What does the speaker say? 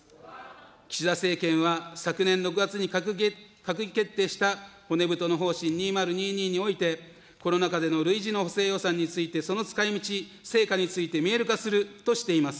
岸田政権は昨年６月に閣議決定した骨太の方針２０２２においてコロナ禍での累次の補正予算についてその使いみち、成果について見える化するとしています。